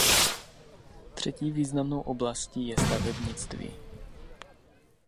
Třetí významnou oblastí je stavebnictví.